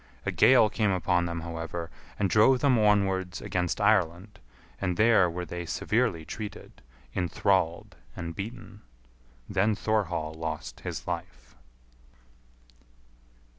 A gale came upon them, however, and drove them onwards against Ireland, and there were they severely treated, enthralled, and beaten. Then Thorhall lost his life.